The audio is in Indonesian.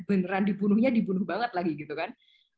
ini kan lebih basah kan